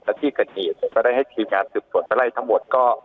และที่กระเนียดก็ได้ให้ทีมงานถึงส่วนตะไล่ทั้งหมดก็